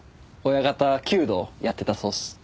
親方弓道やってたそうっす。